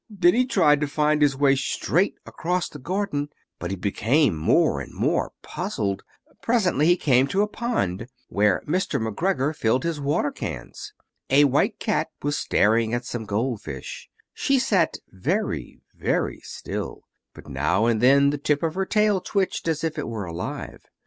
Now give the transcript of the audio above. Then he tried to find his way straight across the garden, but he became more and more puzzled. Presently, he came to a pond where Mr. McGregor filled his water cans. A white cat was staring at some gold fish, she sat very, very still, but now and then the tip of her tail twitched as if it were alive.